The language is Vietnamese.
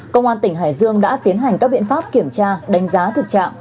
công an tỉnh hải dương đã tiến hành các biện pháp kiểm tra đánh giá thực trạng